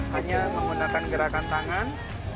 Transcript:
hanya menggunakan gerakan tangan